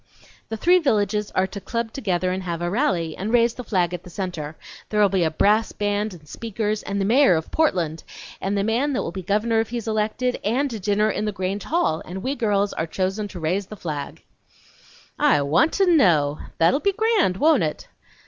"The three villages are to club together and have a rally, and raise the flag at the Centre. There'll be a brass band, and speakers, and the Mayor of Portland, and the man that will be governor if he's elected, and a dinner in the Grange Hall, and we girls are chosen to raise the flag." "I want to know! That'll be grand, won't it?"